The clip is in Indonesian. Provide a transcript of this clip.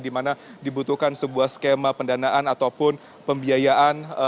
di mana dibutuhkan sebuah skema pendanaan ataupun pembiayaan